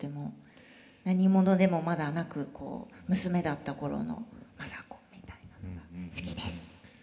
何者でもまだなく娘だった頃の政子みたいなのが好きです。